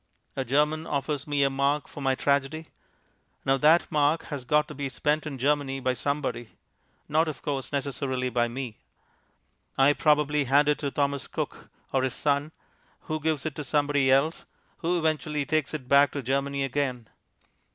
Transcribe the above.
A German offers me a mark for my tragedy. Now that mark has got to be spent in Germany by somebody; not, of course, necessarily by me. I probably hand it to Thomas Cook or his Son, who gives it to somebody else, who eventually takes it back to Germany again.